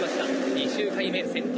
２周回目先頭